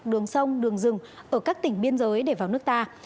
đường sông đường rừng ở các tỉnh biên giới để vào nước ta